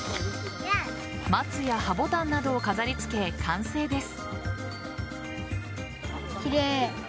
松や葉ボタンなどを飾り付け完成です。